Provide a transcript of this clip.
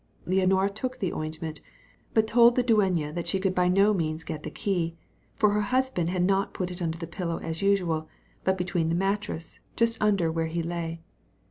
Leonora took the ointment, but told the dueña that she could by no means get the key, for her husband had not put it under the pillow as usual, but between the mattresses, just under where he lay.